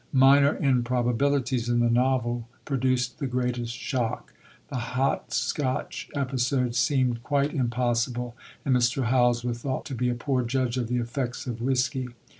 Minor improbabilities in the novel produced the greatest shock the hot scotch episode seemed quite impossible, and Mr. Howells was thought to be a poor judge of the effects of whiskey.